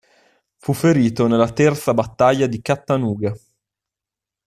Fu ferito nella terza battaglia di Chattanooga.